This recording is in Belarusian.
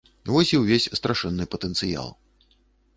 Вось і ўвесь страшэнны патэнцыял.